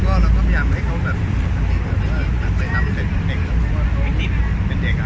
แต่ถ้าต่างชนะเขาแกล้งมาขอ